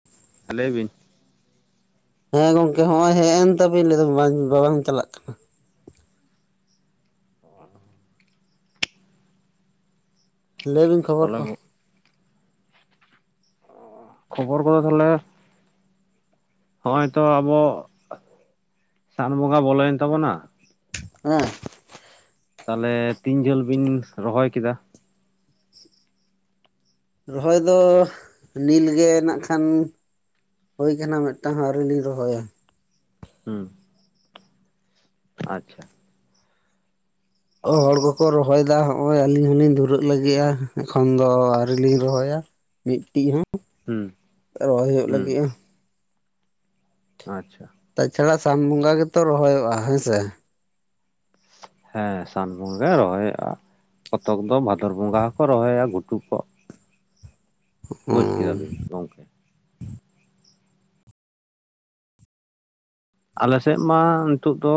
[inaudible] ᱞᱟᱹᱭ ᱵᱤᱱ ᱦᱮᱸ ᱜᱚᱝᱠᱮ ᱦᱚᱜᱼᱚᱭ ᱦᱮᱡ ᱮᱱ ᱛᱟᱵᱮ ᱞᱟᱹᱭ ᱵᱟᱵᱟᱧ ᱪᱟᱞᱟᱜ ᱠᱟᱱᱟ᱾ ᱞᱟᱹᱭᱵᱤᱱ ᱠᱷᱚᱵᱚᱨ ᱠᱚ᱾ ᱛᱟᱦᱚᱞᱮ ᱠᱷᱚᱵᱚᱨ ᱠᱚᱫᱚ ᱛᱟᱦᱚᱞᱮ ᱦᱚᱜᱼᱚᱭ ᱛᱚ ᱟᱵᱚ ᱥᱟᱱ ᱵᱚᱸᱜᱟ ᱵᱚᱞᱚᱭᱮᱱ ᱛᱟᱵᱚᱱᱟ ᱦᱮᱸ ᱾ ᱛᱟᱦᱚᱞᱮ ᱛᱤᱱ ᱡᱷᱟᱹᱞ ᱵᱤᱱ ᱨᱚᱦᱚᱭ ᱠᱮᱫᱟ? ᱨᱚᱦᱚᱭ ᱫᱚ ᱱᱤᱞᱜᱮ ᱱᱟᱜ ᱠᱷᱟᱱ ᱦᱳᱭ ᱠᱟᱱᱟ ᱢᱤᱫᱴᱟᱝ ᱟᱹᱣᱨᱤ ᱞᱤᱧ ᱨᱚᱦᱚᱭᱟ, ᱦᱩᱸ ᱟᱪᱪᱷᱟ ᱾ ᱚ ᱦᱚᱲ ᱠᱚᱠᱚ ᱨᱚᱦᱚᱭ ᱫᱟ, ᱱᱚᱜᱭ ᱟᱹᱞᱤᱧ ᱦᱚᱞᱤᱧ ᱫᱷᱩᱨᱟᱹᱜ ᱞᱟᱹᱜᱤᱫᱼᱟ ᱮᱠᱷᱚᱱ ᱫᱚ ᱟᱹᱣ ᱞᱤᱧ ᱨᱚᱦᱚᱭᱟ ᱢᱤᱫᱴᱤᱡ ᱦᱚᱸ ᱦᱩᱸ ᱾ ᱨᱚᱦᱚᱭ ᱦᱩᱭᱩᱜ ᱦᱩᱸ ᱞᱟᱹᱜᱤᱫᱼᱟ ᱾ ᱟᱪᱪᱷᱟ ᱾ ᱛᱟᱪᱷᱟᱲᱟ ᱥᱟᱱ ᱵᱚᱸᱜᱟ ᱜᱮᱛᱚ ᱨᱚᱦᱚᱭᱚᱜᱼᱟ ᱦᱮᱸ ᱥᱮ ᱾ ᱦᱮᱸ ᱥᱟᱱ ᱵᱚᱸᱜᱟ ᱜᱮ ᱨᱚᱦᱚᱭᱚ-ᱟ, ᱠᱚᱛᱚᱠ ᱫᱚ ᱵᱷᱟᱫᱚᱨ ᱵᱚᱸᱜᱟ ᱦᱚᱠᱚ ᱨᱚᱦᱚᱭᱟ ᱜᱷᱩᱴᱩ ᱠᱚ, ᱵᱩᱡᱽ ᱦᱩᱸ ᱠᱮᱫᱟᱵᱤᱱ ᱜᱚᱢᱠᱮ ᱾ ᱟᱞᱮ ᱥᱮᱫ ᱢᱟ ᱱᱤᱛᱳᱜ ᱫᱚ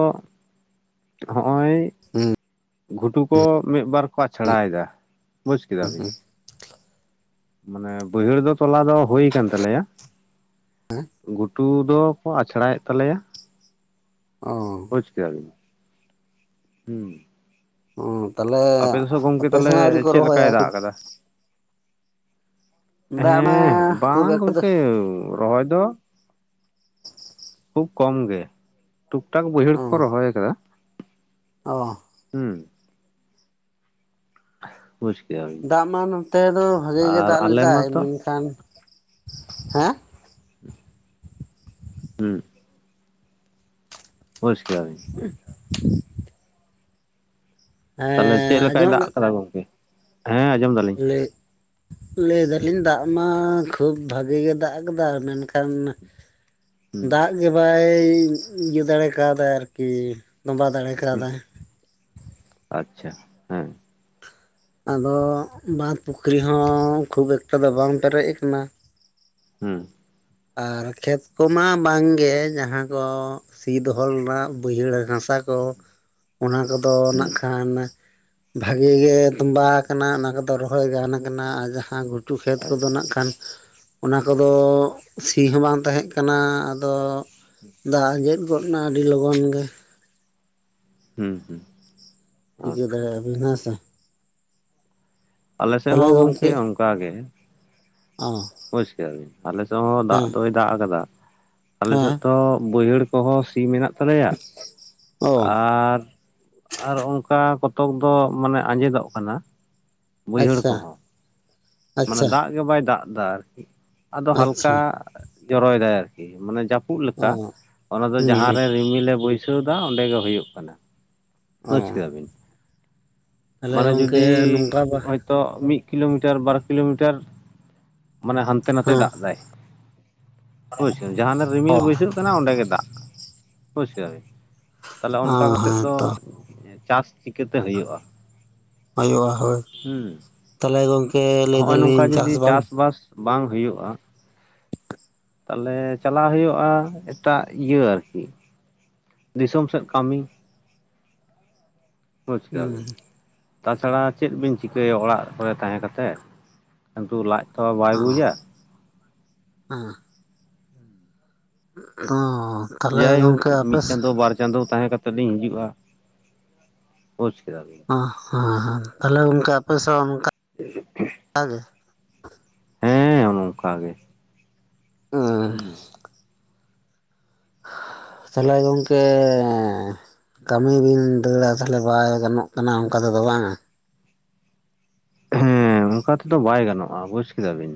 ᱦᱚᱜᱼᱚᱭ ᱦᱩᱸ ᱜᱷᱩᱴᱩ ᱠᱚ ᱢᱤᱫ ᱵᱟᱨ ᱠᱚ ᱟᱪᱷᱲᱟᱭ ᱮᱫᱟ ᱾ ᱵᱩᱡᱽ ᱠᱮᱫᱟ ᱵᱤᱱ ᱾ ᱢᱟᱱᱮ ᱵᱟᱹᱭᱦᱟᱹᱲ ᱫᱚ ᱛᱚᱞᱟ ᱫᱚ ᱦᱩᱭ ᱟᱠᱟᱱ ᱛᱟᱞᱮᱭᱟ ᱾ ᱜᱩᱴᱩ ᱜᱷᱩᱴᱩ ᱫᱚᱠᱚ ᱟᱪᱷᱲᱟᱭᱮᱫ ᱛᱟᱞᱮᱭᱟ ᱾ ᱚ ᱵᱩᱡ ᱠᱮᱫᱟ ᱵᱤᱱ ᱾ ᱦᱩᱸ ᱚᱸ ᱛᱟᱦᱚᱞᱮ ᱟᱯᱮ ᱫᱚ ᱜᱚᱝᱠᱮ ᱟᱯᱮ ᱥᱮᱫ ᱛᱟᱦᱚᱞᱮ ᱦᱚᱸ ᱟᱹᱣᱨᱤ ᱠᱚ ᱪᱮᱫ ᱨᱚᱦᱭᱟ? ᱞᱮᱠᱟᱭ ᱫᱟᱜ ᱟᱠᱟᱫᱟ? ᱫᱟᱜ ᱢᱟ ᱦᱮᱸ ᱠᱷᱩᱵ ᱵᱟᱝ ᱮᱠᱴᱟ ᱫᱚ ᱜᱚᱢᱠᱮ ᱨᱚᱦᱚᱭ ᱫᱚ ᱠᱷᱩᱵ ᱠᱚᱢ ᱜᱮ ᱴᱩᱠ ᱴᱟᱠ ᱵᱟᱹᱭᱦᱟᱹᱲ ᱚ ᱠᱚᱠᱚ ᱨᱚᱦᱚᱭ ᱟᱠᱟᱫᱟ ᱚ ᱦᱩᱸ ᱾ ᱵᱩᱡ ᱠᱮᱫᱟᱵᱤᱱ ᱾ ᱫᱟᱜ ᱢᱟ ᱱᱚᱛᱮ ᱫᱚ ᱵᱷᱟᱜᱤ ᱜᱮ ᱫᱟᱜ ᱟᱞᱮ ᱞᱮᱫᱟᱭ ᱢᱟᱛᱚ ᱢᱮᱱᱠᱷᱟᱱ ᱦᱮᱸ ᱦᱩᱸ ᱵᱩᱡ ᱠᱮᱫᱟᱵᱤᱱ ᱾ [unintelligible] ᱛᱟᱦᱚᱞᱮ ᱦᱮᱸ ᱪᱮᱫ ᱞᱮᱠᱟᱭ ᱫᱟᱜ ᱟᱸᱡᱚᱢᱚᱜ ᱟᱠᱟᱫᱟ ᱜᱚᱝᱠᱮ? ᱦᱮᱸ ᱟᱸᱡᱚᱢ ᱫᱟ [unintelligible] ᱞᱟᱹᱭᱫᱟᱞᱤᱧ ᱫᱟᱜ ᱢᱟ ᱠᱷᱩᱵ ᱵᱷᱟᱜᱤ ᱜᱮ ᱫᱟᱜ ᱠᱟᱫᱟ ᱢᱮᱱᱠᱷᱟᱱᱼᱼ ᱦᱩᱸ ᱫᱟᱜ ᱜᱮ ᱵᱟᱭ ᱤᱭᱟᱹ ᱫᱟᱲᱮ ᱠᱟᱣᱫᱟᱭ ᱟᱨᱠᱤ ᱛᱚᱵᱟ ᱫᱟᱲᱮ ᱠᱟᱣ ᱦᱩᱸ ᱟᱪᱪᱷᱟ ᱦᱮᱸ ᱟᱫᱚ ᱵᱟᱸᱫᱽ ᱯᱩᱠᱷᱨᱤ ᱦᱚᱸ ᱠᱷᱩᱵ ᱮᱠᱴᱟ ᱫᱚ ᱵᱟᱝ ᱯᱮᱨᱮᱡ ᱠᱟᱱᱟ ᱾ ᱦᱩᱸ ᱟᱨ ᱠᱷᱮᱛ ᱠᱚᱢᱟ ᱵᱟᱝᱜᱮ ᱡᱟᱦᱟᱸ ᱠᱚ ᱥᱤ ᱫᱚᱦᱚ ᱞᱮᱱᱟ ᱵᱟᱹᱭᱦᱟᱹᱲ ᱦᱟᱥᱟ ᱠᱚ ᱚᱱᱟ ᱠᱚᱫᱚ ᱦᱩᱸ ᱱᱟᱜ ᱠᱷᱟᱱ ᱵᱷᱟᱜᱤ ᱜᱮ ᱛᱚᱸᱵᱟ ᱟᱠᱟᱱᱟ ᱚᱱᱟ ᱠᱚᱫᱚ ᱨᱚᱦᱚᱭ ᱜᱟᱱ ᱟᱠᱟᱱᱟ ᱟᱨ ᱡᱟᱦᱟᱸ ᱜᱷᱩᱴᱩ ᱜᱷᱩᱴᱩ ᱴᱩ ᱠᱷᱮᱛ ᱠᱚᱫᱚ ᱟᱪᱪᱷᱟ ᱱᱟᱜ ᱠᱷᱟᱱ ᱚᱱᱟ ᱠᱚᱫᱚ ᱥᱤ ᱦᱚᱸ ᱵᱟᱝ ᱛᱟᱦᱮᱸ ᱠᱟᱱᱟ ᱟᱫᱚ ᱫᱟᱜ ᱟᱸᱡᱮᱫ ᱜᱚᱫ ᱮᱱᱟ ᱟᱹᱰᱤ ᱞᱚᱜᱚᱱ ᱜᱮ ᱾ ᱦᱩᱸ ᱦᱩᱸ ᱾ ᱴᱤᱠᱟᱹ ᱫᱟᱲᱮᱭᱟᱜᱼᱟ ᱵᱤᱱ ᱦᱮᱸᱥᱮ ᱾ ᱟᱞᱮᱥᱮᱜ ᱛᱟᱦᱚᱞᱮ ᱦᱚᱸ ᱜᱚᱝᱠᱮ ᱚᱸᱠᱟ ᱜᱮ᱾ ᱟᱦ, ᱵᱩᱡᱽ ᱠᱮᱜᱼᱟ ᱵᱮᱱ, ᱟᱞᱮ ᱥᱮᱜ ᱦᱚᱸ ᱫᱟᱜ ᱫᱚᱭ ᱫᱟᱜ ᱟᱠᱟᱫᱟ, ᱟᱞᱮᱥᱮᱫ ᱦᱮᱸ ᱫᱚ ᱵᱟᱹᱭᱦᱟᱹᱲ ᱠᱚᱦᱚ ᱥᱤ ᱢᱮᱱᱟᱜ ᱛᱟᱞᱮᱭᱟ ᱚ ᱟᱨᱻ ᱟᱨ ᱚᱱᱠᱟ ᱠᱚᱛᱚᱵ ᱫᱚ ᱢᱟᱱᱮ ᱟᱸᱡᱮᱫᱚᱜ ᱠᱟᱱᱟ ᱵᱟᱹᱭᱦᱟᱹᱲ ᱟᱪᱪᱷᱟ ᱠᱚᱦᱚᱸ᱾ ᱢᱟᱱᱮ ᱟᱪᱪᱷᱟ ᱫᱟᱜ ᱜᱮ ᱵᱟᱭ ᱫᱟᱜ ᱮᱫᱟ ᱟᱨᱠᱤ, ᱟᱫᱚ ᱟᱪᱪᱷᱟ ᱦᱟᱞᱠᱟ ᱡᱚᱨᱚᱭᱮᱫᱟᱭ ᱟᱨᱠᱤ ᱢᱟᱱᱮ ᱡᱟᱹᱯᱩᱫ ᱞᱮᱠᱟ, ᱚ ᱚᱱᱟ ᱫᱚ ᱦᱩᱸ ᱡᱟᱦᱟᱸ ᱦᱩᱸ ᱨᱮ ᱨᱤᱢᱤᱞ ᱮ ᱵᱟᱹᱭ ᱪᱷᱟᱹᱣ ᱮᱫᱟ ᱚᱸᱰᱮ ᱜᱮ ᱦᱩᱭᱩᱜ ᱠᱟᱱᱟ᱾ ᱚ ᱵᱟᱹᱡᱽ ᱠᱮᱫᱟ ᱵᱤᱱ, ᱛᱟᱦᱚᱞᱮ ᱢᱟᱱᱮ ᱜᱚᱢᱠᱮ ᱡᱩᱫᱤ ᱱᱚᱝᱠᱟ ᱵᱟ ᱚᱸᱡᱽ- ᱛᱚᱜ ᱢᱤᱫ ᱠᱤᱞᱳᱢᱤᱴᱟᱨ, ᱵᱟᱨ ᱠᱤᱞᱳᱢᱤᱴᱟᱨ ᱢᱟᱱᱮ ᱦᱟᱱᱛᱮ ᱱᱟᱛᱮ ᱦᱮᱸ ᱫᱟᱜ ᱮᱫᱟᱭ᱾ ᱦᱳᱭ ᱥᱮᱢ, ᱡᱟᱦᱟᱸᱱᱟ ᱨᱮ ᱨᱤᱢᱤᱞ ᱚ ᱵᱟᱹᱭᱥᱟᱹᱜ ᱠᱟᱱᱟ ᱚᱸᱰᱮ ᱜᱮ ᱫᱟᱜ, ᱵᱩᱡᱽ ᱠᱮᱫᱟ ᱵᱤᱱ? ᱛᱟᱞᱮ ᱚᱱᱠᱟ ᱦᱮᱸ ᱠᱟᱛᱮᱜ ᱦᱮᱸ ᱫᱚ ᱛᱚ ᱮᱸ ᱪᱟᱥ ᱪᱤᱠᱟᱹᱛᱮ ᱦᱩᱭᱩᱜᱼᱟ? ᱦᱩᱭᱩᱜᱼᱟ ᱦᱳᱭ ᱦᱩᱸ ᱛᱟᱦᱮᱞᱮ ᱜᱚᱝᱠᱮ ᱞᱟᱹᱭ ᱮᱫᱟ ᱦᱚᱜᱼᱚᱭ ᱱᱚᱝᱠᱟ ᱞᱤᱧ ᱪᱟᱥ ᱡᱩᱫᱤ ᱵᱟᱝ? ᱪᱟᱥᱵᱟᱥ ᱵᱟᱝ ᱦᱩᱭᱩᱜᱼᱟ᱾ ᱛᱟᱦᱮᱞᱮ ᱪᱟᱞᱟᱜ ᱦᱩᱭᱩᱜᱼᱟ ᱮᱴᱟᱜ ᱤᱭᱟᱹ ᱟᱨ ᱠᱤ, ᱫᱤᱥᱚᱢ ᱥᱮᱫ ᱠᱟᱢᱤ, ᱵᱩᱡᱽ ᱠᱮᱫᱟ ᱦᱩᱸ ᱵᱤᱱ᱾ ᱛᱟᱪᱷᱟᱲᱟ ᱪᱮᱫ ᱵᱤᱱ ᱪᱤᱠᱟᱹᱭᱟ ᱚᱲᱟᱜ ᱠᱚᱨᱮ ᱛᱟᱦᱮᱸ ᱠᱟᱛᱮᱫ, ᱠᱤᱱᱛᱩ ᱞᱟᱡ ᱛᱚ ᱵᱟᱭ ᱵᱩᱡᱼᱟ, ᱟᱸᱦ, ᱦᱟᱸᱜ, ᱦᱚᱸ ᱻ ᱡᱟᱭᱦᱩᱠ ᱢᱤᱫ ᱪᱟᱸᱫᱳ ᱵᱟᱨ ᱪᱟᱸᱫᱳ ᱛᱟᱦᱮᱸ ᱠᱟᱛᱮᱫ ᱞᱤᱧ ᱦᱤᱡᱩᱜᱼᱟ, ᱵᱩᱡᱽ ᱠᱮᱫᱟ ᱵᱤᱱ᱾ ᱚᱸᱦ, ᱦᱚᱸ ᱦᱮᱸ ᱛᱟᱦᱮᱞᱮ ᱚᱱᱠᱟ ᱟᱯᱮᱥᱚᱜ ᱚᱱᱠᱟ [inaudible] ᱠᱟ ᱜᱮ᱾ ᱦᱮᱸ ᱚᱱᱼᱚᱱᱠᱟ ᱜᱮ, ᱦᱩᱸ᱾ [unintelligible] ᱛᱟᱦᱚᱞᱮ ᱜᱚᱝᱠᱮ ᱮᱸᱻᱦ, ᱠᱟᱹᱢᱤ ᱵᱤᱱ ᱫᱟᱹᱲᱼᱟ ᱛᱟᱦᱮᱞᱮ ᱵᱟᱭ ᱜᱟᱱᱚᱜ ᱠᱟᱱᱟ ᱚᱸᱠᱟ ᱛᱮᱫᱚ ᱵᱟᱝᱼᱟ? ᱦᱮᱸ ᱚᱱᱠᱟ ᱛᱮᱫᱚ ᱵᱟᱭ ᱜᱟᱱᱚᱜᱼᱟ ᱵᱩᱡᱽ ᱠᱮᱫᱟ ᱵᱤᱱ᱾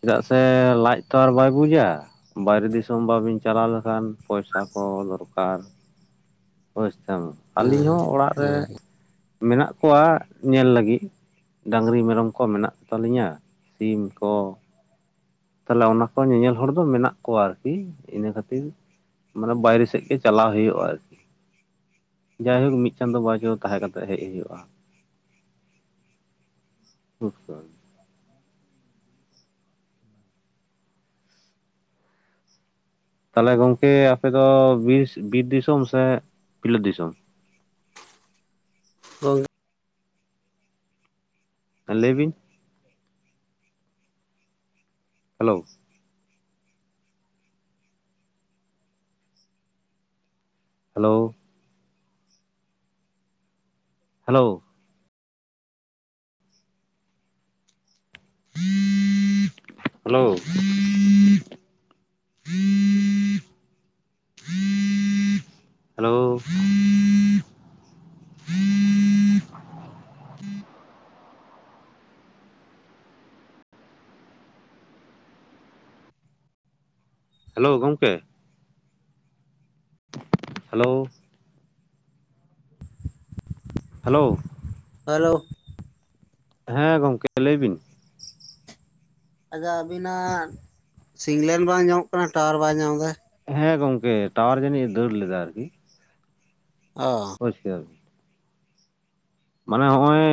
ᱪᱮᱫᱟᱜ ᱥᱮ ᱞᱟᱡ ᱛᱚ ᱟᱨ ᱵᱟᱭ ᱵᱩᱡᱽᱼᱟ᱾ ᱵᱟᱭᱨᱮ ᱫᱤᱥᱚᱢ ᱵᱟᱹᱵᱤᱱ ᱪᱟᱞᱟᱣ ᱞᱮᱠᱷᱟᱱ, ᱯᱚᱭᱥᱟ ᱠᱚ ᱫᱚᱨᱠᱟᱨ᱾ ᱵᱩᱡᱽ ᱛᱟᱢ ᱟᱹᱞᱤᱧ ᱦᱮᱸ ᱦᱚᱸ ᱚᱲᱟᱜ ᱨᱮ ᱦᱮᱸ ᱢᱮᱱᱟᱜ ᱠᱚᱣᱟ ᱧᱮᱞ ᱞᱟᱹᱜᱤᱫ, ᱰᱟᱺᱜᱽᱨᱤ ᱢᱮᱨᱚᱢ ᱠᱚ ᱢᱮᱱᱟᱜ ᱠᱚ ᱛᱟᱹᱞᱤᱧᱟ, ᱥᱤᱢ ᱠᱚ ᱛᱟᱦᱮᱞᱮ ᱚᱱᱟ ᱠᱚ ᱧᱮᱧᱮᱞ ᱧᱮᱧᱮᱞ ᱦᱚᱲ ᱫᱚ ᱢᱮᱱᱟᱜ ᱠᱚᱣᱟ ᱟᱨᱠᱤ ᱤᱱᱟᱹ ᱠᱷᱟᱹᱛᱤᱨ ᱢᱟᱱᱮ ᱵᱟᱭᱨᱮ ᱥᱮᱫ ᱜᱮ ᱪᱟᱞᱟᱣ ᱦᱩᱭᱩᱜᱼᱟ ᱟᱨᱠᱤ, ᱡᱟᱭᱦᱩᱠ ᱢᱤᱫ ᱪᱟᱸᱫᱳ ᱵᱟᱨ ᱪᱟᱸᱫᱳ ᱛᱟᱦᱮᱸ ᱠᱟᱛᱮᱜ ᱦᱮᱜ ᱦᱩᱭᱩᱜᱼᱟ᱾ ᱛᱚᱛᱠᱟᱞ! ᱛᱟᱦᱚᱞᱮ ᱜᱚᱝᱠᱮ ᱟᱯᱮ ᱫᱚ ᱵᱤᱥ ᱵᱤᱨ ᱫᱤᱥᱚᱢ ᱥᱮᱸᱜ ᱯᱤᱞᱟᱹᱯ ᱫᱤᱥᱚᱢ? ᱦᱚᱭ, ᱦᱮᱸ ᱞᱟᱹᱭ ᱵᱤᱱ? Hello! Hello, hello hello [unintelligible] hello hello ᱜᱚᱝᱠᱮ? Hello hello hello! ᱦᱮᱸ ᱜᱚᱝᱠᱮ ᱞᱟᱹᱭ ᱵᱤᱱ? ᱟᱪᱪᱷᱟ ᱟᱵᱤᱱᱟᱜ ᱥᱤᱝᱞᱮᱱ ᱵᱟᱝ ᱧᱟᱢᱚᱜ ᱠᱟᱱᱟ ᱴᱟᱣᱟᱨ ᱵᱟᱭ ᱧᱟᱢ ᱫᱟᱭ ᱾ ᱦᱮᱸ ᱜᱚᱝᱠᱮ ᱴᱟᱣᱟᱨ ᱡᱟᱹᱱᱤᱡ ᱮ ᱫᱟᱹᱲ ᱞᱮᱫᱟ ᱟᱨᱠᱤ ᱾ ᱚ ᱵᱩᱡ ᱠᱮᱫᱟ ᱵᱤᱱ ᱾ ᱢᱟᱱᱮ ᱦᱚᱸᱜᱼᱚᱭ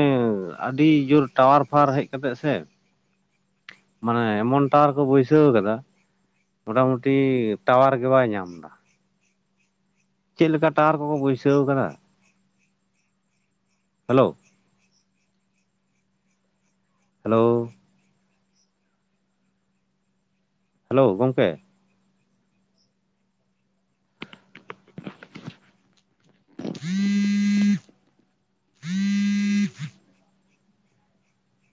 ᱟᱹᱰᱤ ᱡᱳᱨ ᱴᱟᱣᱟᱨ ᱯᱷᱟᱣᱟᱨ ᱦᱮᱡ ᱠᱟᱛᱮᱜ ᱥᱮ, ᱢᱟᱱᱮ ᱮᱢᱚᱱ ᱴᱟᱣᱟᱨ ᱠᱚ ᱵᱟᱹᱭᱥᱟᱹᱣ ᱠᱟᱫᱟ ᱢᱳᱴᱟᱢᱩᱴᱤ ᱴᱟᱣᱟᱨ ᱜᱮ ᱵᱟᱭ ᱧᱟᱢ ᱫᱟ ᱾ ᱪᱤᱫ ᱞᱮᱠᱟ ᱴᱟᱣᱟᱨ ᱠᱚᱠᱚ ᱵᱟᱹᱭᱥᱟᱹᱣ ᱠᱟᱫᱟ! ᱦᱮᱞᱳ! ᱦᱮᱞᱳᱻ ᱦᱮᱞᱳ ᱜᱚᱝᱠᱮ! [inaudible]